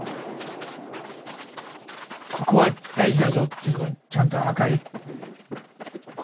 ここは大事だぞっていうところにちゃんと赤い。